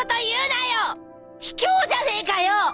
ひきょうじゃねえかよ！